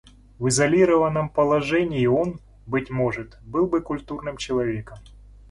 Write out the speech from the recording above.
В изолированном положении он, быть может, был бы культурным человеком.